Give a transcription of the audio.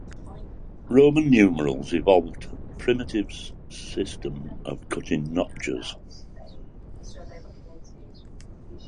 Roman numerals evolved primitives system of cutting notches.